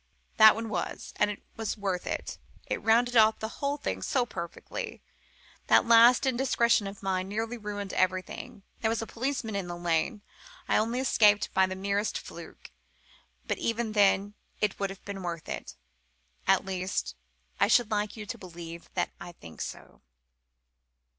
That one was. And it was worth it. It rounded off the whole thing so perfectly. That last indiscretion of mine nearly ruined everything. There was a policeman in the lane. I only escaped by the merest fluke. But even then it would have been worth it. At least, I should like you to believe that I think so."